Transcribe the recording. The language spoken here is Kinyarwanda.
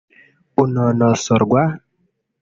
unonosorwa